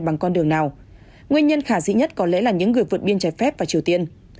bằng con đường nào nguyên nhân khả dĩ nhất có lẽ là những người vượt biên trái phép vào triều tiên